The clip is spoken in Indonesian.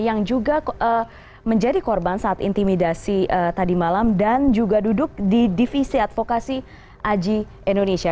yang juga menjadi korban saat intimidasi tadi malam dan juga duduk di divisi advokasi aji indonesia